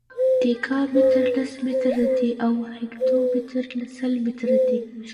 دیکا متر لس متره دی او هکتو متر سل متره دی.